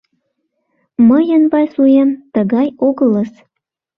Мыйын Вайсуэм тыгай огылыс.